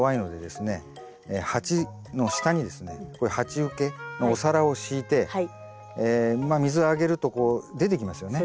鉢の下にですねこういう鉢受けのお皿を敷いて水をあげるとこう出てきますよね。